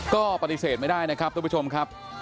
ก็ปฏิเสธไม่ได้นะครับทุกผู้ชมครับ